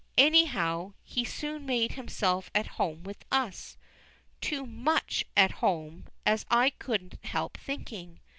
Anyhow, he soon made himself at home with us too much at home, as I couldn't help thinking.